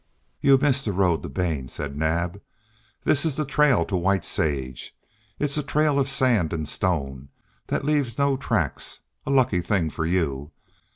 "You missed the road to Bane," said Naab. "This is the trail to White Sage. It's a trail of sand and stone that leaves no tracks, a lucky thing for you.